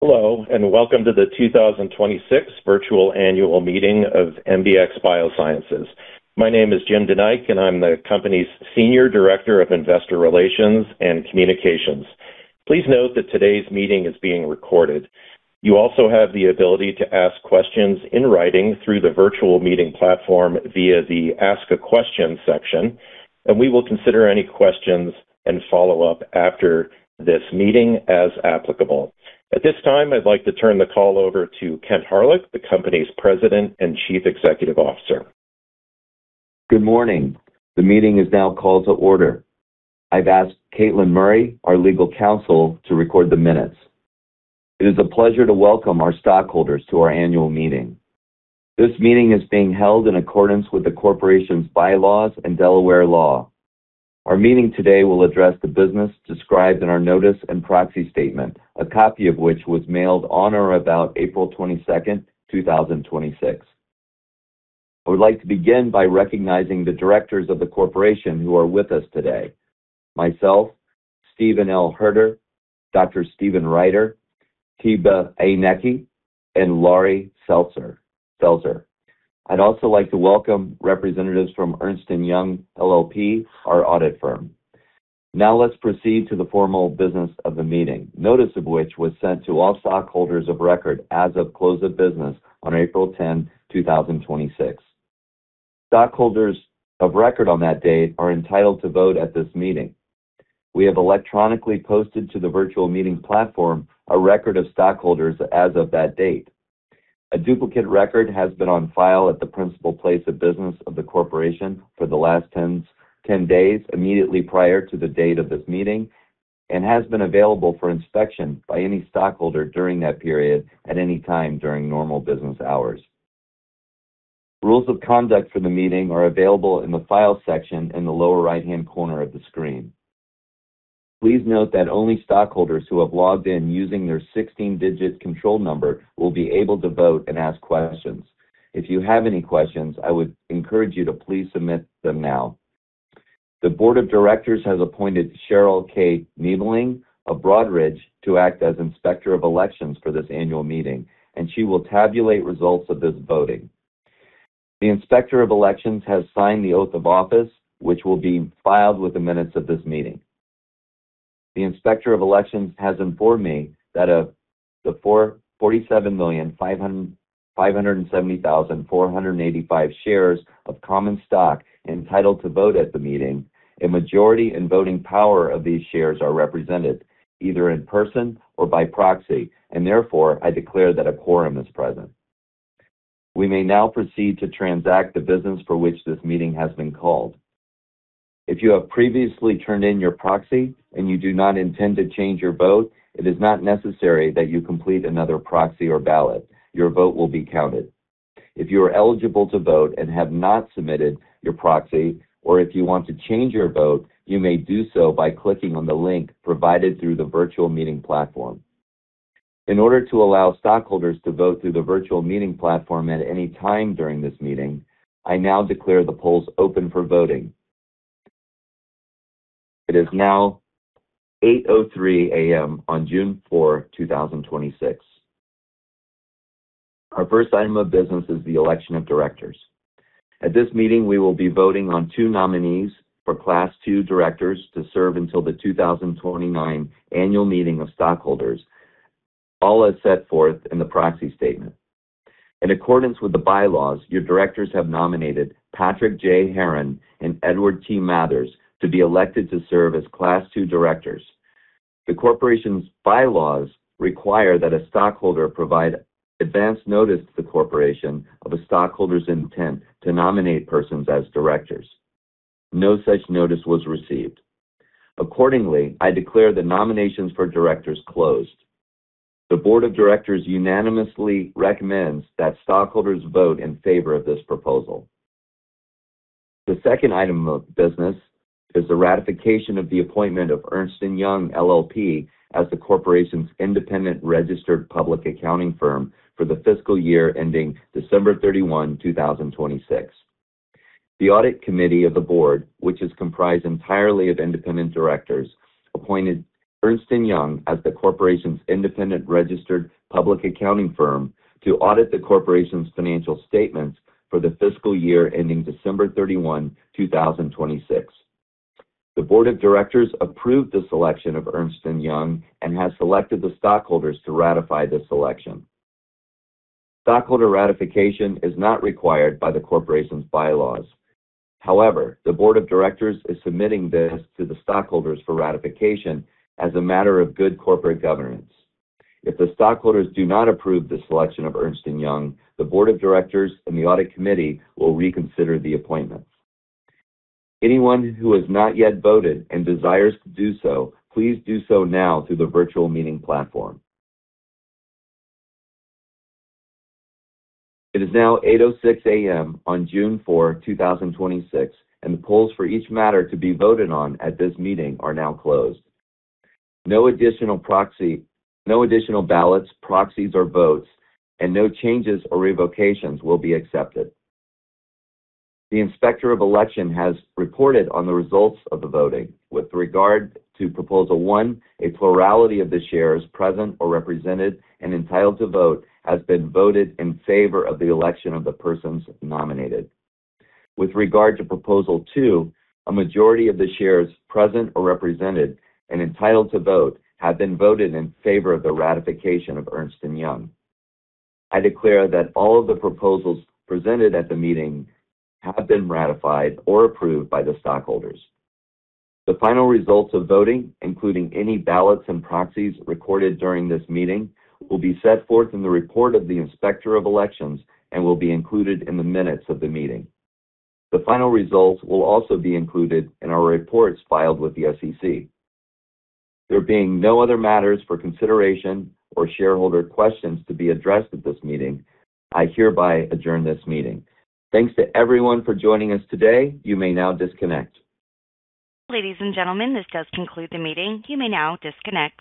Hello, welcome to the 2026 virtual annual meeting of MBX Biosciences. My name is Jim DeNike, and I'm the company's Senior Director of Investor Relations and Communications. Please note that today's meeting is being recorded. You also have the ability to ask questions in writing through the virtual meeting platform via the Ask a Question section, and we will consider any questions and follow up after this meeting as applicable. At this time, I'd like to turn the call over to Kent Hawryluk, the company's President and Chief Executive Officer. Good morning. The meeting is now called to order. I've asked Caitlin Murray, our legal counsel, to record the minutes. It is a pleasure to welcome our stockholders to our annual meeting. This meeting is being held in accordance with the corporation's bylaws and Delaware law. Our meeting today will address the business described in our notice and proxy statement, a copy of which was mailed on or about April 22, 2026. I would like to begin by recognizing the directors of the corporation who are with us today. Myself, Steven L. Hoerter, Dr. Steven Ryder, Tiba Aynechi, and Laurie Stelzer. I'd also like to welcome representatives from Ernst & Young LLP, our audit firm. Let's proceed to the formal business of the meeting, notice of which was sent to all stockholders of record as of close of business on April 10, 2026. Stockholders of record on that date are entitled to vote at this meeting. We have electronically posted to the virtual meeting platform a record of stockholders as of that date. A duplicate record has been on file at the principal place of business of the corporation for the last 10 days immediately prior to the date of this meeting and has been available for inspection by any stockholder during that period at any time during normal business hours. Rules of conduct for the meeting are available in the Files section in the lower right-hand corner of the screen. Please note that only stockholders who have logged in using their 16-digit control number will be able to vote and ask questions. If you have any questions, I would encourage you to please submit them now. The Board of Directors has appointed Cheryl K. Niebeling of Broadridge to act as Inspector of Elections for this annual meeting, and she will tabulate results of this voting. The Inspector of Elections has signed the oath of office, which will be filed with the minutes of this meeting. The Inspector of Elections has informed me that of the 47,570,485 shares of common stock entitled to vote at the meeting, a majority in voting power of these shares are represented, either in person or by proxy, and therefore, I declare that a quorum is present. We may now proceed to transact the business for which this meeting has been called. If you have previously turned in your proxy and you do not intend to change your vote, it is not necessary that you complete another proxy or ballot. Your vote will be counted. If you are eligible to vote and have not submitted your proxy, or if you want to change your vote, you may do so by clicking on the link provided through the virtual meeting platform. In order to allow stockholders to vote through the virtual meeting platform at any time during this meeting, I now declare the polls open for voting. It is now 8:03 A.M. on June 4, 2026. Our first item of business is the election of directors. At this meeting, we will be voting on two nominees for Class II directors to serve until the 2029 annual meeting of stockholders. All as set forth in the proxy statement. In accordance with the bylaws, your directors have nominated Patrick J. Heron and Edward T. Mathers to be elected to serve as Class II directors. The corporation's bylaws require that a stockholder provide advance notice to the corporation of a stockholder's intent to nominate persons as directors. No such notice was received. Accordingly, I declare the nominations for directors closed. The Board of Directors unanimously recommends that stockholders vote in favor of this proposal. The second item of business is the ratification of the appointment of Ernst & Young LLP as the corporation's independent registered public accounting firm for the fiscal year ending December 31, 2026. The audit committee of the board, which is comprised entirely of independent directors, appointed Ernst & Young as the corporation's independent registered public accounting firm to audit the corporation's financial statements for the fiscal year ending December 31, 2026. The Board of Directors approved the selection of Ernst & Young and has selected the stockholders to ratify this election. Stockholder ratification is not required by the corporation's bylaws. However, the Board of Directors is submitting this to the stockholders for ratification as a matter of good corporate governance. If the stockholders do not approve the selection of Ernst & Young, the board of directors and the audit committee will reconsider the appointments. Anyone who has not yet voted and desires to do so, please do so now through the virtual meeting platform. It is now 8:06 A.M. on June 4, 2026, and the polls for each matter to be voted on at this meeting are now closed. No additional ballots, proxies or votes, and no changes or revocations will be accepted. The Inspector of Election has reported on the results of the voting. With regard to proposal one, a plurality of the shares present or represented and entitled to vote has been voted in favor of the election of the persons nominated. With regard to proposal two, a majority of the shares present or represented and entitled to vote have been voted in favor of the ratification of Ernst & Young. I declare that all of the proposals presented at the meeting have been ratified or approved by the stockholders. The final results of voting, including any ballots and proxies recorded during this meeting, will be set forth in the report of the Inspector of Elections and will be included in the minutes of the meeting. The final results will also be included in our reports filed with the SEC. There being no other matters for consideration or shareholder questions to be addressed at this meeting, I hereby adjourn this meeting. Thanks to everyone for joining us today. You may now disconnect. Ladies and gentlemen, this does conclude the meeting. You may now disconnect.